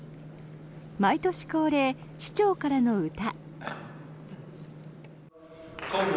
毎年恒例、市長からの歌。